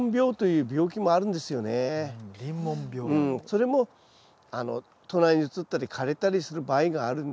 それも隣にうつったり枯れたりする場合があるんですよね。